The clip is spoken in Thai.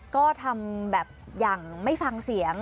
ก็ทำแบบอย่างไม่ฟังเสียง